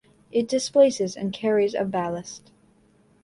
It displaces and carries of ballast.